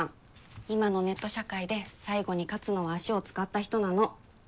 今のネット社会で最後に勝つのは足を使った人なの。